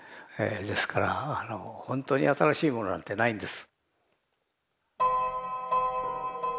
ですからほんとに新しいものなんてないんです。